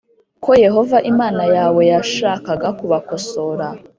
ko Yehova Imana yawe yashakaga kubakosora